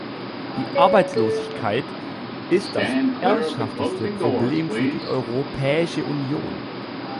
Die Arbeitslosigkeit ist das ernsthafteste Problem für die Europäische Union.